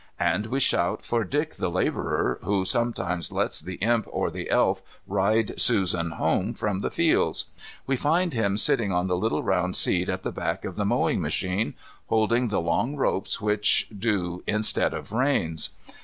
And we shout for Dick the labourer who sometimes lets the Imp or the Elf ride Susan home from the fields. We find him sitting on the little round seat at the back of the mowing machine holding the long ropes which do instead of reins.